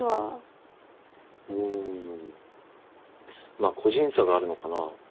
まあ個人差があるのかな。